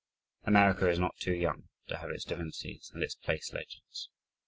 America is not too young to have its divinities, and its place legends.